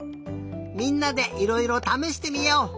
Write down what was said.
みんなでいろいろためしてみよう！